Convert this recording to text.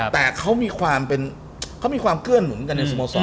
แต่เขามีความเป็นเกื้อหนุนกันในสโมสร